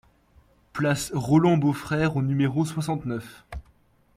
Place Roland Beaufrère au numéro soixante-neuf